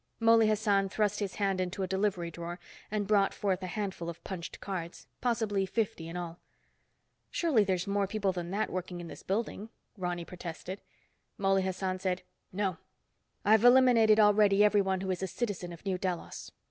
Mouley Hassan thrust his hand into a delivery drawer and brought forth a handful of punched cards, possibly fifty in all. "Surely there's more people than that working in this building," Ronny protested. Mouley Hassan said, "No. I've eliminated already everyone who is a citizen of New Delos.